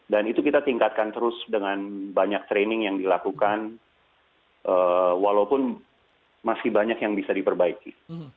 dan itu kita tingkatkan terus dengan banyak training yang dilakukan walaupun masih banyak yang bisa diperbaiki